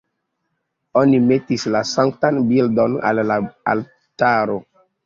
Oni metis la sanktan bildon al la altaro.